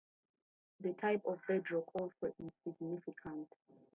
The type of bedrock also is significant.